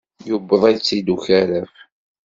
Yuweḍ-itt-id ukaraf.